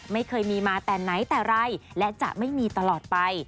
ไม่เคยมีมาแต่ไหนแต่ไรและจะไม่มีตลอดไป